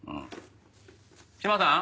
島さん。